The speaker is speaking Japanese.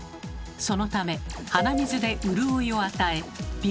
そのため鼻水で潤いを与え鼻